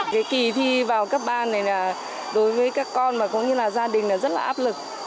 cái kỳ thi vào cấp ba này là đối với các con và cũng như là gia đình là rất là áp lực